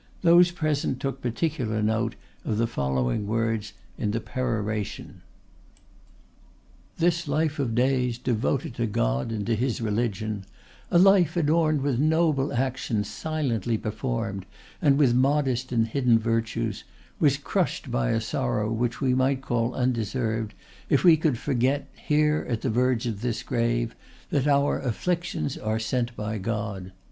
Those present took particular note of the following words in the peroration: "This life of days devoted to God and to His religion, a life adorned with noble actions silently performed, and with modest and hidden virtues, was crushed by a sorrow which we might call undeserved if we could forget, here at the verge of this grave, that our afflictions are sent by God.